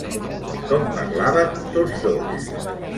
Com parlaven tots dos?